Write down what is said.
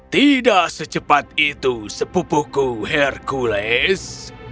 tidak secepat itu sepupuhku hercules